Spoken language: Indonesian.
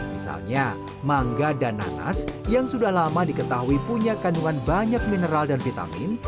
misalnya mangga dan nanas yang sudah lama diketahui punya kandungan banyak mineral dan vitamin